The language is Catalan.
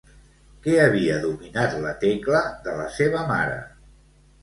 Què havia dominat la Tecla de la seva mare?